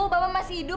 bapak masih hidup